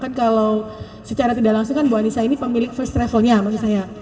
kan kalau secara tidak langsung kan bu anissa ini pemilik first travelnya maksud saya